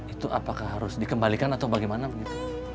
itu apakah harus dikembalikan atau bagaimana begitu